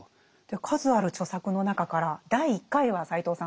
数ある著作の中から第１回は斎藤さん